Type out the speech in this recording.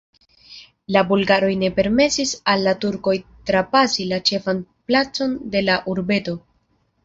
La bulgaroj ne permesis al la turkoj trapasi la ĉefan placon de la urbeto.